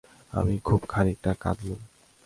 আমি খুব খানিকটা কাঁদলুম।